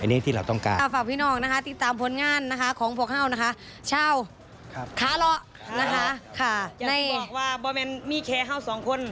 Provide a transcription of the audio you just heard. อย่างที่บอกว่าบอร์แมนมีแคร์ฮาวส์สองคน